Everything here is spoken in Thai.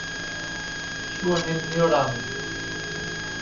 ชั่วนิจนิรันดร์